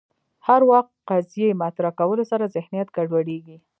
هر وخت قضیې مطرح کولو سره ذهنیت ګډوډېږي